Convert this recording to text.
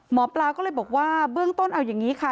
หมอปลาก็เลยบอกว่าเบื้องต้นเอาอย่างนี้ค่ะ